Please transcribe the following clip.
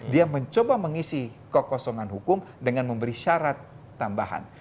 dia mencoba mengisi kekosongan hukum dengan memberi syarat tambahan